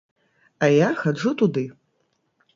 А я хаджу туды.